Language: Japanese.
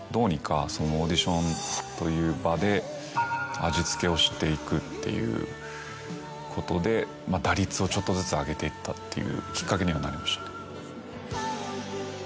どうにかその。をしていくっていうことで打率をちょっとずつ上げていったっていうきっかけにはなりましたね。